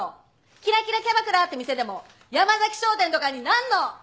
「キラキラキャバクラ」って店でも「山商店」とかになんの！